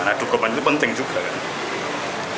karena dukupan itu penting juga kan